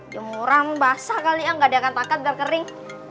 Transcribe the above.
jemuran basah kali ya gak diangkat angkat biar kering